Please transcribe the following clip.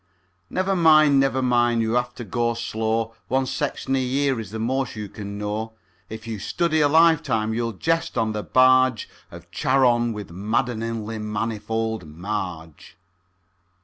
Never mind, never mind, you have got to go slow, One section a year is the most you can know; If you study a life time, you'll jest on the barge Of Charon with madd'ningly manifold Marge.